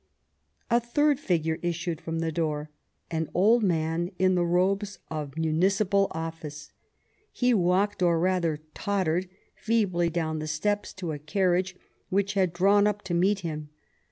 A third figure issued from the door, an old man in the robes of municipal office. He walked, or rather tottered feebly down the steps to a carriage, which had drawn up to meet him.